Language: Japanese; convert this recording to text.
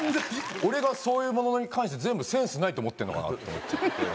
俺がそういうものに関して全部センスないと思ってるのかなと思っちゃって。